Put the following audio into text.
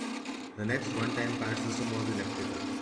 The next one-time pad system was electrical.